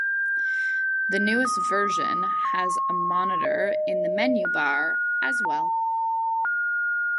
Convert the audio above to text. The newest version has a monitor in the menu bar as well.